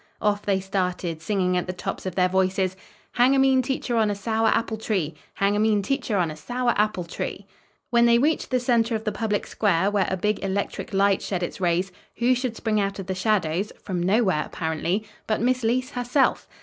Off they started, singing at the tops of their voices: Hang a mean teacher on a sour apple tree, Hang a mean teacher on a sour apple tree. When they reached the center of the public square, where a big electric light shed its rays, who should spring out of the shadows, from nowhere apparently, but Miss Leece herself?